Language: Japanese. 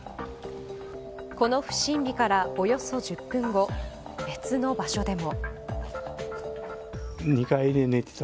この不審火からおよそ１０分後別の場所でも。